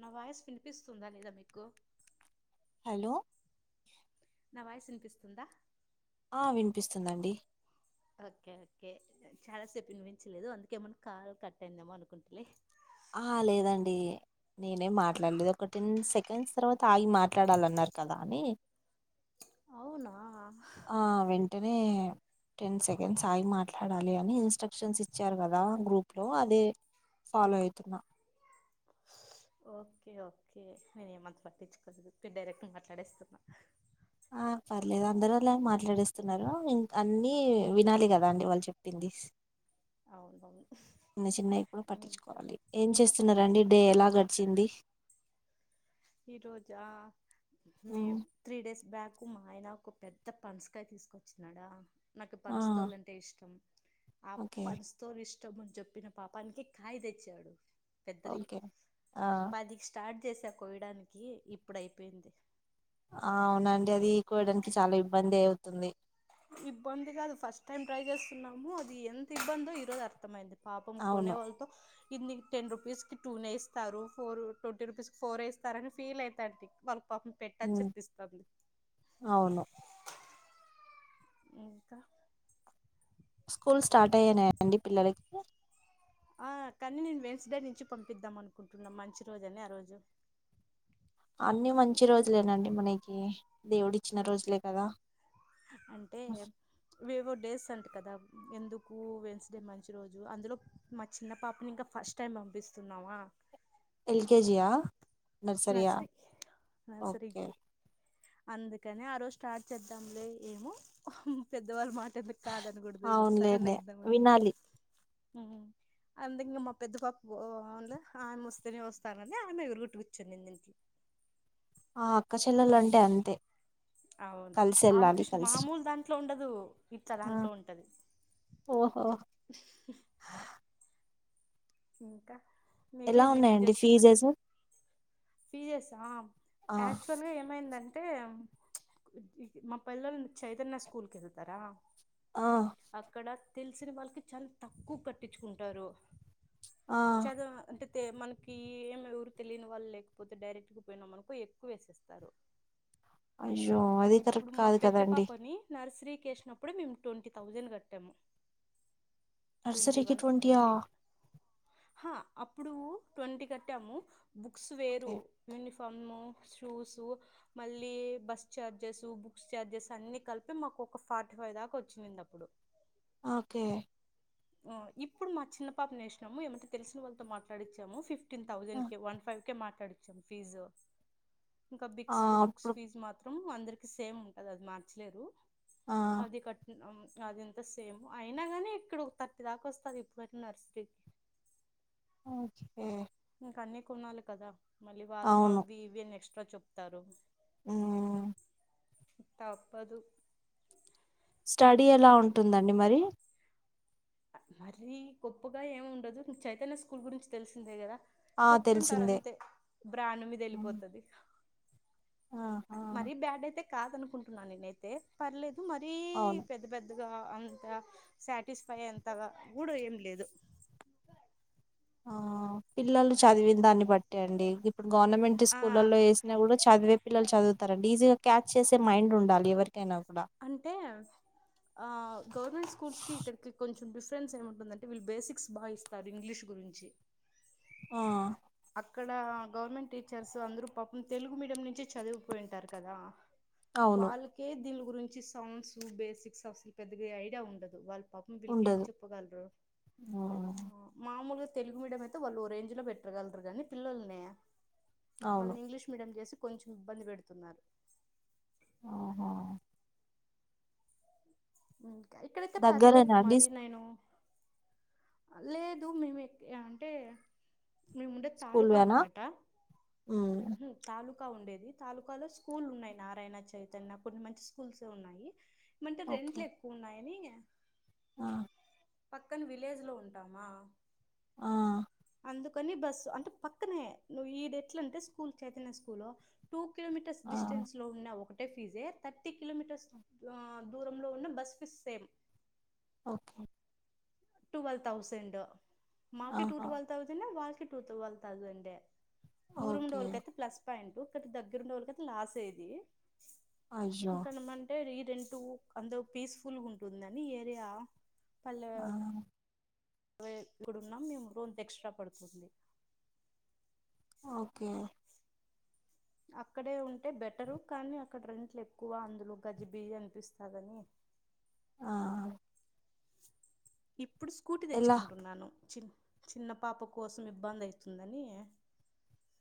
నా వాయిస్ వినిపిస్తుందా లేద మీకు హలో నా వాయిసు వినిపిస్తుందా ఆ వినిపిస్తుందండి ఓకే ఓకే చాలా సేపు వినిపించలేదు అందుకే నెమో ఏమన్న కాలు కట్ అయిందెమో అనుకుంటి హ లేదండి నేనేం మాట్లాడలేదు ఒక టెన్ సెకండ్స్ తర్వాత ఆగి మాట్లాడాలన్నారు కదా అని అవునా ఆ వెంటనే టెన్ సెకండ్స్ అగి మాట్లాడాలి అని ఇన్స్ట్రక్షన్స్ ఇచ్చారు కదా గ్రూప్ లో అదే ఫాలో అయితున్నా ఓకే ఓకే నేను ఏమంత పట్టించుకోలేదు నేను డైరెక్ట్ మాట్లాడేస్తున్నా ఆ పర్లేదు అందరు అలానే మాట్లాడేస్తున్నారు ఇం అన్నిీ వినాలి కదా అండి వాళ్ళు చెప్పింది అవునవును న్న చిన్నవి కూడా ఇంకా పట్టించుకోవాలి ఏం చేస్తున్నరండి డే ఎలా గడిచింది ఈ రోజా మే ఉమ్, త్రీ డేస్ బ్యాక్ నాకు మా ఆయన ఒక పెద్ద పనసకాయ తీసుకొచ్చినడా నాకు ఆ పనసకాయ్ అంటే ఇష్టం ఆ ఓకే పనస్ తోలు ఇష్టమని చెప్పిన పాపానికి కాయ్ తెచ్చాడు పెద్దది ఓకే ఆ పదికి స్టార్ట్ చేసా కోయడానికి ఇప్పుడు అయిపోయింది ఆ అవునండి అదికోయడానికి చాలా ఇబ్బంది అవుతుంది ఇబ్బందిగాదు ఫస్ట్ టైం ట్రై చేస్తున్నాము అది ఎంత ఇబ్బందో ఈరోజు అర్థమైంది పాపం కొనే అవును వాళ్ళతో ఇన్ని టెన్ రుపీస్ కి టూ నే ఇేస్తారు ఫోర్ ట్వంటీ రూపీస్ి ఫోర్ వేస్తారు అని ఫీల్ అయితంటి వాళ్ పపం పెట్టచ్చు ఉమ్ అనిపిస్తుంది అవును ఇంకా స్కూల్ స్టార్ట్ అయినాయండి పిల్లలకి ఆ కానీ నేను వెన్స్ డే నుంచి పంపిద్దాం అనుకుంటున్నాం మంచి రోజని ఆ రోజు అన్నిీ మంచి రోజులేనండి మనకి దేవుడు ఇచ్చిన రోజులే కదా అంటే అవేవో డేస్ అంట కదా ఎందుకు వెన్స్డే మంచి రోజు అందులో మా చిన్న పాపని ఇంకా ఫస్ట్ టైమ్ పంపిస్తున్నామ ఎల్కేజీయా నర్సరియా నర్సరీ ఓకే నర్సరీకి అందుకని ఆ రోజు స్టార్ట్ చేద్దాంలే ఏమో పెద్దవాళ్ళ మాట్ ఎందు కాదని కుడ తీసేస్తారా అవునులేండి లేద్దామని వినాలి మ్ అందు ఇంకా మా పెద్ద పాప అ ఆమెస్తేనే వస్తనంది ఆమె ఎరుగుట్టు చెందింనిన్ ఆ అక్క చెల్లెలు అంటే అంతే అవునవు కలిసి వెళ్ళాలి కాంపిటీషన్ కలిసి మామూలు దాంట్లో ఉండదు ఇట్లా ఆ దాంట్లో ఉంటది ఓహో ఇంకా ఎలా ఉన్నాయండి ఫీజెస్ ఫీజెస ఆ ఆక్చువల్గా ఏమైందా టే మా పిల్లలు చైతన్య స్కూల్ కి వెళ్తారా ఆ అక్కడ తెలిసిన వాళ్ళకి చాలా తక్కువ కట్టించుకుంటారు ఆ చదువు ఆ మనకి ఏమ ఎవరు తెలియని వాళ్ళు లేకపోతే డైరెక్ట్గా పోయినా అనుకో ఎక్కువ వేసేస్తారు అయ్యో అది కరెక్ట్ కాదు కదండి ఎసినప్పుడే మేము ట్వంటీ థౌసండ్ కట్టాము నర్సరకి ట్వంటీ ఆహ్ హా అప్పుడు ట్వంటి కట్టాము బుక్స్ వేరు ఓకే యూనిఫామ్ షూస్ మళ్ళీ బస్ ఛార్జెస్ బుక్స్ ఛార్జెస్ అన్ని కలిపి మాకు ఒక ఫార్టీ ఫైవ్ దాకా వచ్చిందింది అప్పుడు ఓకే ఇప్పుడు మా చిన్న పాప నేసినాము ఏమంటే తెలిసిన వాళ్ళతో మాట్లాడిచ్చాము ఫిఫ్ ఫిఫ్టీన్ ఆ థౌసండ్ కే వన్ ఫైవ్ కి మాట్లాడిచ్చాం ఫీజు ఇంకా ఆ, బిక్స్ బుక్స్ అప్పుడు ఫీజ్ మాత్రం అందరికి సేమ్ ఉంటది అది మార్చలేరు ఆ అది కట్ అది ఇంత సేమ్ అయినా కానీ ఇక్కడ ఒక థర్టీ దాకా వస్తది ఇప్పుడు నర్సరీకి ఉహు ఇంకా అన్నీ కొనాలి కదా మళ్ళీ వాళ్ళు అవి ఇవి అని ఎక్స్ట్రా చెప్తారు ఆ తప్పదు స్టడీ ఎలా ఉంటుందండి మరి మరీ గొప్పగా ఏమి ఉండదు చైతన్య స్కూల్ గురించి తెలిసిందే కదా ఆ చెప్తుంటారు తెలిసిందే అంతే బ్రాండ్ మీద అవును వెళ్ళిపోతది ఆహా మరీ బ్యాడ్ అయితే కాదనుకుంటున్నా నేనైతే పర్లేదు మరీ అవును పెద్ద పెద్దగా అంత సాటిస్ఫై అంత గా గూడు ఏం లేదు ఆ పిల్లలు చదివిన దాన్ని బట్టి అండి ఇప్పుడు గవర్నమెంట్ ఆ స్కూళ్ల్లో వేసినా కూడా చదివే పిల్లలు చదువుతారు ఈజీగా క్యాచ్ చేసే మైండ్ ఉండాలి ఎవరికి అంటే ఆ గవర్నమెంట్ స్కూల్స్ కి ఇక్కడికి కొంచెం డి ఫరెన్స్ ఏముంటుందంటే వీళ్ళు బేసిక్స్ బాగా ఇస్తారు ఇంగ్లీష్ గురించి ఆ అక్కడ గవర్నమెంట్ టీచర్స్ అందరూ పాపం తెలుగు మీడియం నుంచే చదివిపోయింటారు కదా అవును వాళ్ళకే దీని గురించి సాంగ్స్ బేసిక్స్ అసలు పెద్దగా ఐడియా ఉండదు వాళ్ళ పాపం వీళ్ళకి ఏం ఉండదు చెప్పగలరు ఉమ్, మామూలుగా తెలుగు మీడియం అయితే వాళ్ళు ఓ రేంజ్ లో పెట్ట గలరు కానీ పిల్లోల్లని అవును వాళ్ళని ఇంగ్లీష్ మీడియం చేసి కొంచెం ఇబ్బంది పెడుతున్నారు ఆహా ఇంకా ఇక్కడైతే పర్లేదు దగ్గరేనా అండి మరి నేను లేదు మేమే అంటే మీ ముండేది స్కూల్ తాలూకా వేనా అన్నమాట ఉమ్, తలూ కా ఉండేది తాలూకాలో స్కూల్ ఉన్నాయి నారాయణ చైతన్య కొన్ని మంచి స్కూల్స్ ఉన్నాయి ఏమంటే ఓకే రెంట్లు ఎక్కువ ఉన్నాయాని ఆ పక్కన విలేజ్ లో ఉంటామా ఆ అందుకని బస్సు అంటే పక్కనే నువ్ ఈడె ఎట్ల అంటే school Chaitanya school two kilometres ఆ డిస్టెన్స్ లో ఉన్న ఒకటే ఫీజే థర్టీ కిలోమీటర్స్ దూరం లో ఉన్న బస్ సిస్ సేం ఓకే టువల్ తౌసండు మాకీ టూ ఆహా టువల్ థౌసండే వాలికీ టూ టువల్ థౌసండే దూరం ఓకే ఉండేవొళ్ళకైతే ప్లస్ పాయింటు కాతే దగ్గర ఉండే వాళ్ళకైతే లాసే అది అయ్యో ఇంకనమంటే రీ రెంటూ అంతగు పీస్ఫుల్ గుంటుందని ఏరియా ఆ [inaudible] క్కుడున్నాం మేము రోంత ఎక్స్ట్రా పడిపోతుంది ఓకే అక్కడే ఉంటే బెటరు కానీ అక్కడ రెంట్లు ఎక్కువ అందులో గజిబిజి అన్పిస్తాదని ఆ ‌ఆ ఇప్పుడు స్కూటీ ఎలా తెచ్చుకుంటున్నాను చి చిన్న పాప కోసం ఇబ్బంది ఐతుందని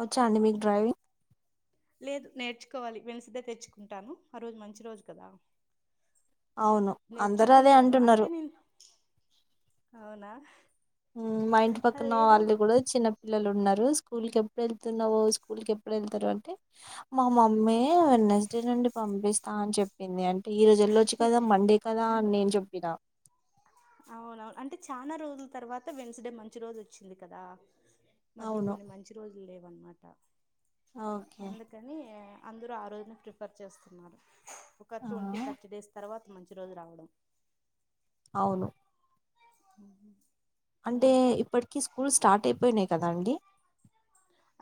వచ్చా అండి మీకు డ్రైవి లేదు నేర్చుకోవాలి వెన్స్ డే తెచ్చుకుంటాను ఆ రోజు మంచి రోజు కదా అవును అందరు అదే నేర్చుకుంటాను అంటున్నరు అంటే నేను అవునా ఊ మా ఇంటి పక్కన లేదు వాళ్ళు కూడా చిన్న పిల్లలు ఉన్నరు స్కూల్ కెప్పుడు ఎళ్తున్నావో స్కూల్ కి ఎప్పుడు ఎళ్తారు అంటే మా మమ్మీ వెనస్ డే నుండి పంపిస్తా అని చెప్పింది అంటే ఈ రోజు ఎల్లోచ్చు కదా మండే కదా అన్ అని నేను చెప్పినా అవునవును అంటే చానా రోజుల తర్వాత వెన్స్డే మంచి రోజు వచ్చింది కదా మధ్యలో అవును కొన్ని మంచి రోజులు లేవు అన్నమాట ఓకే అందుకని అందరూ ఆ రోజున ప్రిఫర్ చేస్తున్నారు ఒక ఆ ట్వంటీ థర్టీ డేస్ తర్వా తి మంచి రోజు రావడం అవును ఊహూ అంటే ఇప్పటికీ స్కూల్స్ స్టార్ట్ అయిపోయినాయి కదండి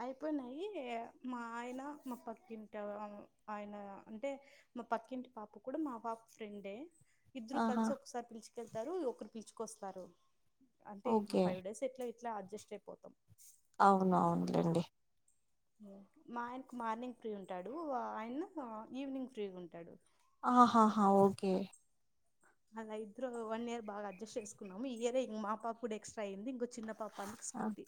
అయిపోయినాయి మా ఆయన మా పక్కింటివన్ ఆయన అంటే మా పక్కింటి పాప కూడా మా పాప ఫ్రెండే ఇద్దురూ ఆహా కలిసి ఒకసారి పిలుచుకెళ్తారు ఒకరు పిలుచుకొస్తారు అంటే ఈ ఓకే ఫైవ్ డేస్ ఎట్లై ట్లా అడ్జస్ట్ అయిపోతాం అవునవునులేండి మా ఆయనకు మార్నింగ్ ఫ్రీ ఉంటాడు ఆయన ఈవినింగ్ ఫ్రీ ఉంటాడు ఆహాహా ఓకే అలా ఇద్దరూ వన్ ఇయర్ బాగా అడ్జస్ట్ చేసుకున్నాము ఈ ఇయరే ఇంగ్ మా పాప కూడా ఎక్స్ట్రా అయ్యింది ఇంకొ చిన్న పాప అందుకు స్కూటీ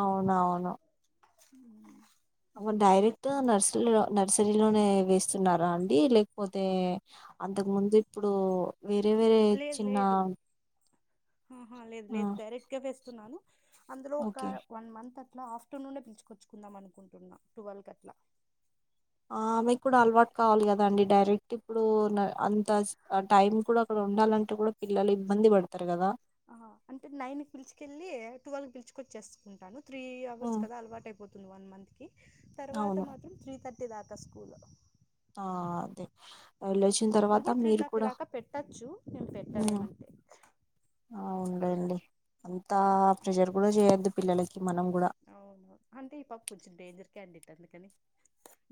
అవునవును ఊ ఔ డైరెక్ట్ నర్సరిలో నర్సరి లోనే వేస్తున్నారా అండి లేకపోతే అంతకు ముందు ఇప్పుడు వేరే వేరే చిన్న హూహా లేదు ఆ లేదు డైరెక్ట్ కే వేస్తున్నాను అందులో ఒక ఓకే వన్ మంత్ అ ట్లా ఆఫ్టర్నూనే పిల్చుకొచ్చుకుందాం అనుకుంటున్నా టువల్ కట్లా ఆమెకి కూడా అలవాటు కావాలి కదండి డైరెక్ట్ ఇప్పుడు అంత టైం కూడా అక్కడు ఉండాలంటే కూడా పిల్లలు ఇబ్బంది పడతారు కదా ఆ అంటే నైన్ి పిలిచుకెళ్ళి ట్వెల్వ్ పిలుచుకొచ్చేసుకుంటారు త్రీ అవర్స్ ఉమ్, కదా అలవాట్ అయిపోతుంది వన్ మంత్ కి తర్వాత అవును మాత్రం త్రి తర్ టి దాకా స్కూలు ఆ అదే వళ్ళు వచ్చిన ఇప్పుడు తర్వాత త్రీ మీరు థర్టీ కూడా దాకా పెట్టచ్చు నేను మ్ పెట్టనేమంటే అవును లేండి అంతా ప్రెషర్ కూడా చేయొద్దు పిల్లలకి మనం కూడా అవును అంటే ఈ పాప కొంచెం డేంజర్ క్యాండిట్ అందుకని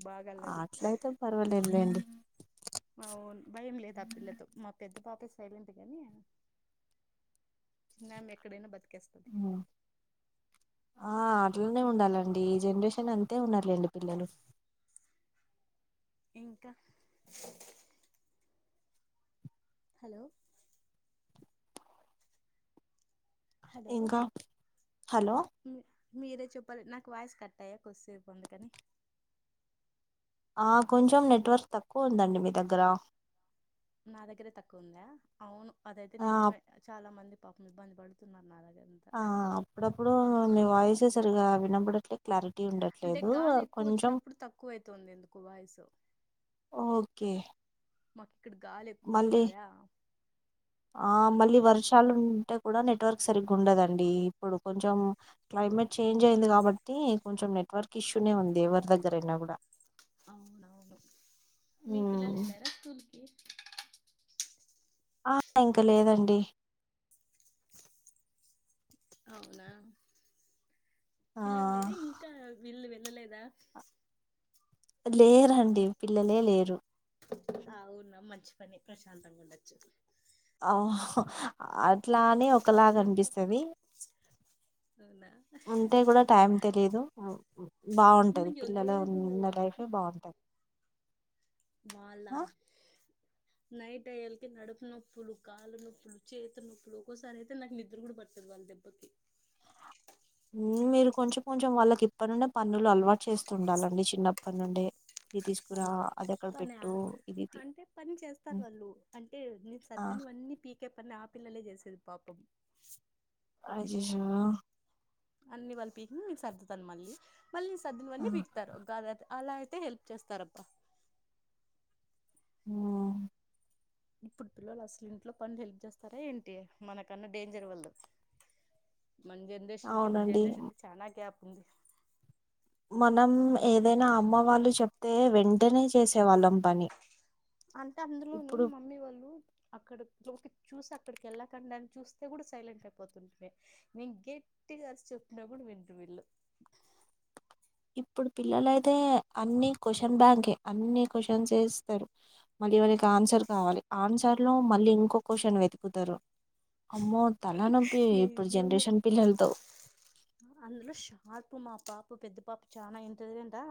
బాగా అల్లరి అట్లయితే పర్వాలేదులేండి అవును భయం లేదు ఆ పిల్లతో మా పెద్ద పాప సైలెంట్ గాని చిన్న ఎక్కడైనా బత్ తికేస్తది ఉమ్. ఆ అట్లనే ఉండాలండి ఈ జనరేషన్ అంతే ఉన్నలేండి పిల్లలు ఇంకా హలో హలో ఇంకా హలో మీ- మీరే చెప్పాలి నాకు వాయిస్ కట్టయ్యా కొద్దిసేపు ఎందుకని ఆ కొంచెం నెట్వర్క్ తక్కువ ఉందండి మీ దగ్గర నా దగ్గరే తక్కువ ఉందా అవును అదైతే ఆ నిజమే చాలా మంది పాపం ఇబ్బంది పడుతున్నారు నా దగ్గర ఆ అప్పుడప్పుడు మీ వాయిస సరిగా వినబడట్లే క్లారిట్ అంటే గాలి ఎక్కువ వచ్చినప్పుడు తక్కువ అైతుంది ఎందుకో వాయసు ఓకే మాకు ఇక్కడ గాలి ఎక్కువ మళ్ళీ వస్తదా వర్షలు ఉంటే కూడా నెట్వర్క్ సరిగ్ ఉండదండి ఇప్పుడు కొంచెం క్లైమేట్ చేంజ్ అయింది కాబట్ టి కొంచెం నెట్వర్క్ ఇష్యూనే ఉంది ఎవరి దగ్గరైనా కూడా అవునవును మీ పిల్లలు ఉమ్. ఎల్లారా స్కూల్కి ఆ ఇంక లేదండి అవునా ఆ పిల్లళ్ళేర ఇంకా ఇళ్ళు వేళ్ళలేదా లేరండి పిల్లలే లేరు అవున్నా మంచి పని ప్రశాంతంగా ఉండోచ్చు ఆ అట్లాని వాళ్ళుంటే ఒకలాగనిపిస్తది అవునా ఉంటే కూడా టైం తెలీదు బాగుంటుంది అమ్మయ్యో పిల్లలు లేదు ఉన్న లైఫ్ ఏ బాగుంటది మాల ఆ నైట్ ట్టయల్కి నడుపు నొప్పులు కాళ్ళు నొప్పులు చేతి నొప్పులు ఒక్కోసారి అయితే నాకు నిద్ర కూడా పట్టదు వాళ్ళ దెబ్బకి మ్ మీరు కొంచెం కొంచెం వాళ్ళకి ఇప్పటి నుండడి పన్నులు అలవాటు చేస్తు ఉండాలండి చిన్నప్పటి నుండి తీసుకురా వాళ్ళు అది అక్కడ పనా పెట్టు ఇది తీ అంటే పని చేస్తారు వాళ్ళు అంటే నీ ఆ సద్దినవన్నీ పీకే పని ఆ పిల్లలే చేస్ సేది పాపం అజయ్యో అన్ని వాళ్ళు పీకిని నీను సర్దుతాను మళ్ళీ మళ్ళీ ఆ! సర్దునవన్నీ పీకుతారు అలా తె హెల్ప్ చేస్తారబ్బా ఆ ఇప్పుడు పిల్లలు అసలు ఇంట్లో పనిలు హెల్ప్ చేస్తారా ఏంటి మనకన్నా డేంజర్ వాళ్ళు మన జనరేషన్ కి అవునండి జనరేషన్ కి చనాా క్యాప్ ఉంది మనం ఏదైనా అమ్మ వాళ్ళు చెప్తే వెంటనే చేసే వాళ్ళం పని అంటే అందులోను ఇప్పుడు మమ్మీ వాళ్ళు అక్కడ లోకి చూసి అక్కడికి వెళ్ళకండా అని చూస్తే కూడా సైలెంట్ అయిపోతుంటంది నేను ఇంకే పట్టి గారు చెప్పినా కూడా విండ్రు వీళ్ళు ఇప్పుడు పిల్లల అయితే అన్ని క్వశ్చన్ బ్యాకే అన్ని క్వశ్చన్స్ ఏస్తారు మళ్ళీ వాళకి ఆన్సర్ కావాలి ఆన్సర్ లో మళ్ళీ ఇంకో క్వశ్చన్ వెతుకుతారు అమ్మో తలనొప్పి ఇప్పుడు జనరేషన్ పిల్లలతో ఆ అందులో షార్పు మా పా మా పెద్ద పాప చనా ఇంటలిజెంట్ ఆ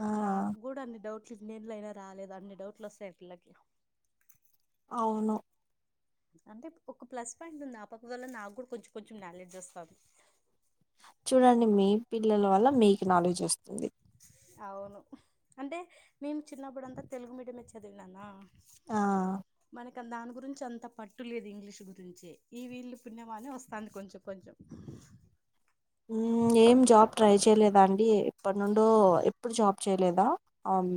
ఆ నాకు కూడా అన్ని డౌట్ ఇన్ని ఏన్నేళ్లో అయినా రాలేదు అన్ని డౌట్లు వస్తాయి ఆ పిల్లకి అవును అంటే ఒక ప్లస్ పాయింట్ ఉంది ఆ పాప వల్ల నాకు కూడా కొంచెం కొంచెం నాలెడ్జ్ వస్తాంది చూడండి మీ పిల్లల వల్ల మీకు నాలెడ్జ్ వస్తుంది అవును అంటే నేను చిన్నప్పుడంతా తెలుగు మీడియమే చదివిననా ఆ ఇంకా దాని గురించి అంత పట్టులేదు ఇంగ్లీష్ గురించి ఈ వీళ్ళు పుణ్యవానే వస్తుంది కొంచెం కొంచెం ఉ ఏం జబ్ ట్రై చే చేయలేదా అండి ఇప్పటి నుండో ఎప్పుడు జాబ్ చేయలేదా ఆన్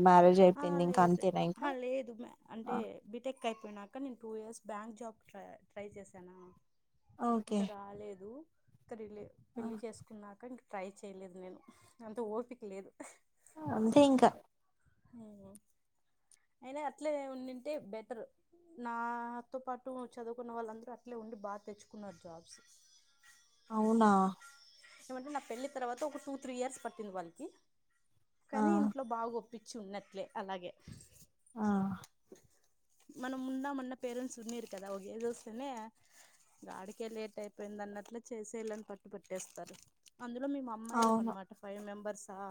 ఆ లేదు ఆ లేదు మే ఆ! అంటే బీటెక్ అయి పోయినంక నేను టూ ఇయర్స్ బ్యాంక్ జాబ్ టై ట్రై చేశానా ఓకే ఇంకా రాలేదు ఇక రిలే ఆ! పెళ్లి చేసుకున్నాక ఇంక ట్రై చేయలేదు నేను అంత ఓపిక లేదు ఆ అంతే ఇంకా ఉ అయినా అట్లేనే ఉంంటే బెటర్ నాతో పాటు చదువుకున్న వాళ్ళందరూ అట్లే ఉండి బాగా తెచ్చుకున్నారు జాబ్స్ అవునా ఏమంటే నా పెళ్లి తర్వాత ఒక టూ త్రీ ఇయర్స్ పట్టింది వాళ్ళకి ఆ కానీ ఇంట్లో బాగాొప్ప పించి ఉన్నట్లే అలాగే ఆ మనం ఉందాం అన్నా పేరెంట్స్ ఉన్నియరు కదా ఒకే ఏజ్ వస్తేనే గాడికే లేట్ అయిపోయింది అన్నట్లు చేసేయల్ల అని పట్టు పట్టేస్తారు అందులో మేము అమ్మాయిలం అవును అనమాట ఫైవ్ మెంబర్సా ఆ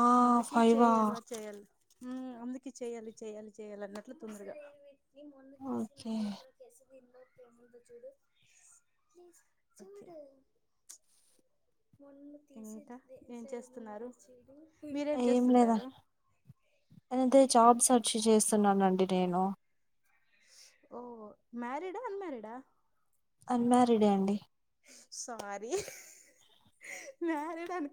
ఆ అందుకి ఫైవా చేయ్యాల చేయాలి ఉ అందుకి చేయాలి చేయాల చేయాల అన్నట్లు తొందగా ఓకే చూడు ఇంకా ఏం చేస్తున్నారు ఏం లేదా అంతే జాబ్స్ సర్ చు చేస్తున్నానండి నేను ఓ మరిడ్ ఆ అన్మరిడ్ ఆ అన్మారిడే అండి సారీ మారీడ్ అనుకో